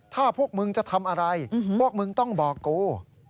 ถ้าพวกมึงจะทำอะไรพวกมึงต้องบอกกู